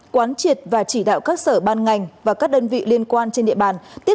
quán triệt và chỉ đạo các sở ban ngành và các đơn vị liên quan trên địa bàn tiếp